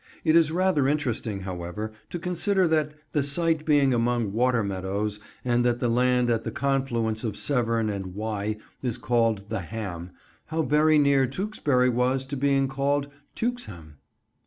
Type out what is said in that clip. It is rather interesting, however, to consider that, the site being among water meadows, and that the land at the confluence of Severn and Wye is called "the Ham," how very near Tewkesbury was to being called "Tewkesham."